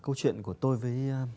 câu chuyện của tôi với